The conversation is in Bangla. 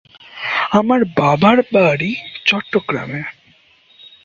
আমার বাবার বাড়ি চট্টগ্রামে।